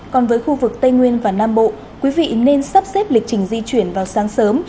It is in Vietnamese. còn với khu vực tây nguyên và nam bộ quý vị nên sắp xếp lịch trình di chuyển vào sáng sớm